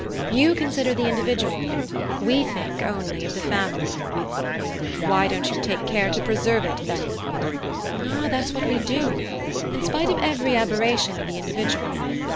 You consider the individual we think only of the family." "Why don't you take care to preserve it, then?" "Ah, that's what we do; in spite of every aberration of the individual.